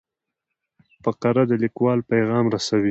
فقره د لیکوال پیغام رسوي.